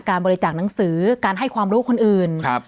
บริจาคหนังสือการให้ความรู้คนอื่น